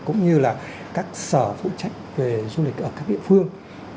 cũng như là các sở phụ trách về du lịch ở các địa phương